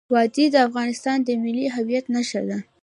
وادي د افغانستان د ملي هویت نښه ده.